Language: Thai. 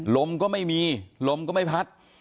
ลมก็ไม่มีลมก็ไม่พัด